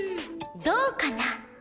どうかな？